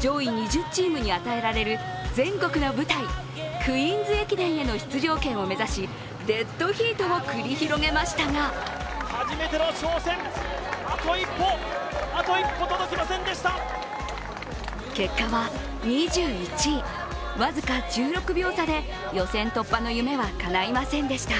上位２０チームに与えられる全国の舞台、クイーンズ駅伝への出場権を目指しデッドヒートを繰り広げましたが結果は２１位、僅か１６秒差で予選突破の夢はかないませんでした。